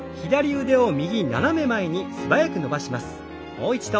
もう一度。